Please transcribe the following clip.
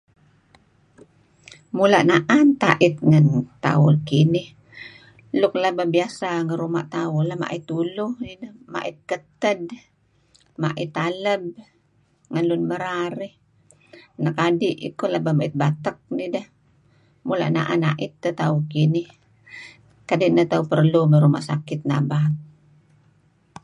Mula' naan teh ait ngen tauh kinih. Luk pelaba biasa ngi ruma tauh mait uluh nideh mait keted, mait aleb ngen lun merar dih. Anak adi' iih pelaba mai batek nidah. Mula' naan ait tauh kinih. Kadi' nah tauh perlu may Ruma' Sakit nabat.